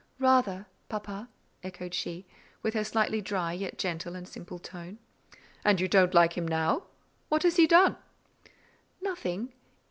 "Rather, papa," echoed she, with her slightly dry, yet gentle and simple tone. "And you don't like him now? What has he done?" "Nothing.